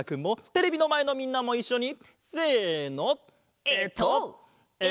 テレビのまえのみんなもいっしょに。